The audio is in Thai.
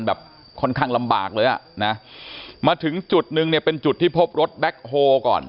แบบค่อนข้างลำบากเลยอ่ะนะมาถึงจุดนึงเนี่ยเป็นจุดที่พบรถแบ็คโฮก่อน